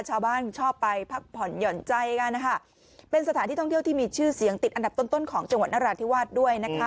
ชอบไปพักผ่อนหย่อนใจกันนะคะเป็นสถานที่ท่องเที่ยวที่มีชื่อเสียงติดอันดับต้นต้นของจังหวัดนราธิวาสด้วยนะคะ